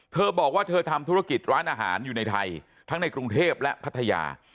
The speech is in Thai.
เธอบอกว่าเธอทำธุรกิจร้านอาหารอยู่ในไทยทั้งในกรุงเทพและพัทยา